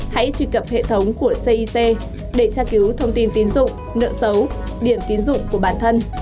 hãy truy cập hệ thống của cic để tra cứu thông tin tiến dụng nợ xấu điểm tín dụng của bản thân